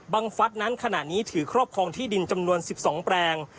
ฟัฐนั้นขณะนี้ถือครอบครองที่ดินจำนวน๑๒แปลง